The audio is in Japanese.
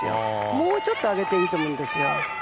もうちょっと上げていいと思うんです。